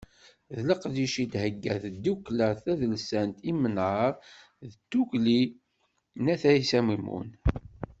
D leqdic i d-thegga tddukkla tadelsant Imnar n Tdukli n At Ɛissa Mimun